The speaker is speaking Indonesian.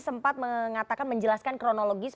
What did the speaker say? sempat mengatakan menjelaskan kronologis